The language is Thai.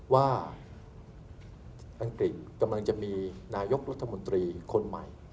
อังกฤษกำลังจะมีนายกรัฐมนตรีคนใหม่